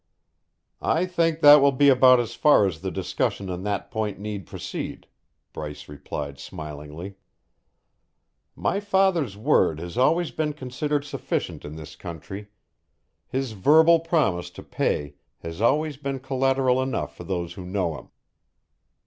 "I think that will be about as far as the discussion on that point need proceed," Bryce replied smilingly. "My father's word has always been considered sufficient in this country; his verbal promise to pay has always been collateral enough for those who know him."